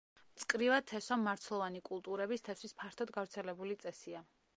მწკრივად თესვა მარცვლოვანი კულტურების თესვის ფართოდ გავრცელებული წესია.